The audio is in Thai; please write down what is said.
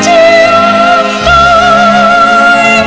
จะปิดท้องและองค์ระบาดในมาก